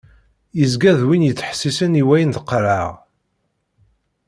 Yezga d win yettḥessisen i wayen d-qqreɣ.